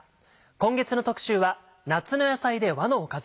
今月の特集は「夏の野菜で和のおかず」。